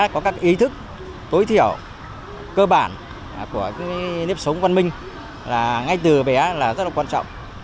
có các ý thức tối thiểu cơ bản của nếp sống văn minh là ngay từ bé là rất là quan trọng